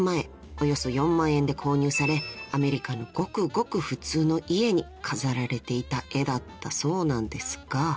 およそ４万円で購入されアメリカのごくごく普通の家に飾られていた絵だったそうなんですが］